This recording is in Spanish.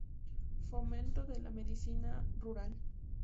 Fomento de la medicina rural.